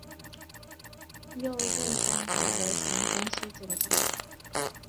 又任香港邮船公司总经理。